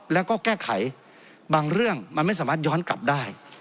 แล้วก็แก้ไขบางเรื่องมันไม่สามารถย้อนกลับได้